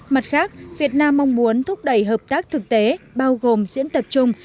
mặt khác việt nam mong muốn thúc đẩy hợp tác thực tế bao gồm diễn tập chung